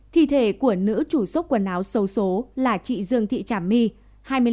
thi thể của nữ chủ xúc quần áo sâu số là chị dương thị trảm my